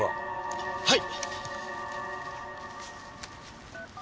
あっはい！